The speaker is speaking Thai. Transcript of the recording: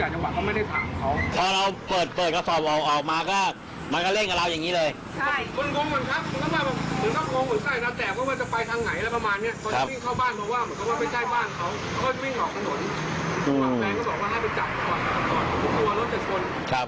หวังแมงก็บอกว่าให้ไปจับก่อนทุกตัวแล้วจะชน